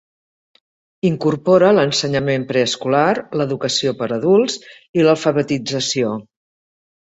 Incorpora l'ensenyament preescolar, l'educació per a adults i l'alfabetització.